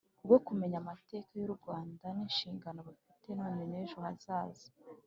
Rwo Kumenya Amateka Y U Rwanda N Inshingano Bafite None N Ejo Hazaza